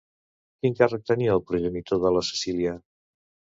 Quin càrrec tenia el progenitor de la Cecília?